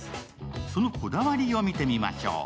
そのこだわりを見てみましょう。